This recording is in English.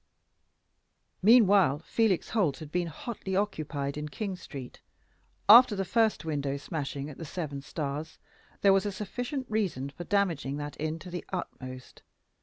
Meanwhile Felix Holt had been hotly occupied in King Street. After the first window smashing at the Seven Stars, there was a sufficient reason for damaging that inn to the utmost.